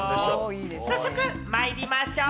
早速まいりましょう！